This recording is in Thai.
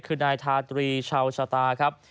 คือนายทาตรีชาวชะตาครับ